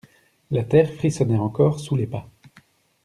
La terre frissonnait encore sous les pas.